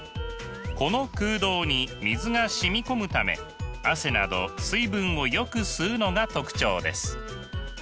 この空洞に水が染み込むため汗など水分をよく吸うのが特徴です。